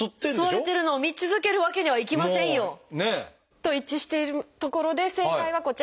吸われてるのを見続けるわけにはいきませんよ。と一致しているところで正解はこちらです。